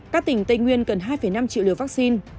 các tỉnh tây nguyên cần hai năm triệu liều vaccine